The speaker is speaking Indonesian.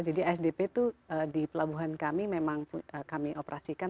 jadi asdp itu di pelabuhan kami memang kami operasikan